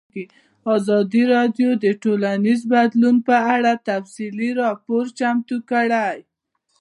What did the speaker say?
ازادي راډیو د ټولنیز بدلون په اړه تفصیلي راپور چمتو کړی.